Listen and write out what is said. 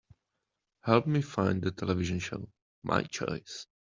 Help me find the television show, My Choice.